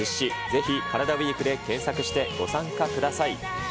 ぜひカラダＷＥＥＫで検索して、ご参加ください。